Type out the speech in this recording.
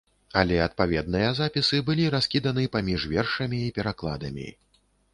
Але адпаведныя запісы былі раскіданы паміж вершамі і перакладамі.